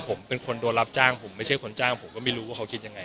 ผมเป็นคนโดนรับจ้างผมไม่ใช่คนจ้างผมก็ไม่รู้ว่าเขาคิดยังไง